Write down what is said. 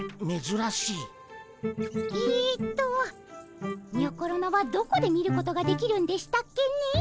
えっとにょころのはどこで見ることができるんでしたっけねえ。